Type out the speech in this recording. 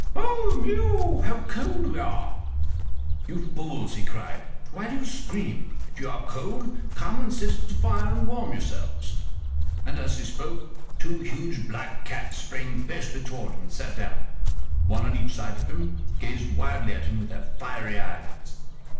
"Ou, miou! how cold we are!" "You fools!" he cried; "why do you scream? If you are cold, come and sit at the fire and warm yourselves." And as he spoke two huge black cats sprang fiercely forward and sat down, one on each side of him, and gazed wildly at him with their fiery eyes.